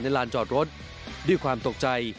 ลานจอดรถด้วยความตกใจ